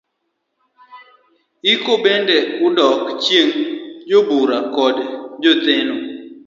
Iko bende oduok chien jobuoro kod jotheno.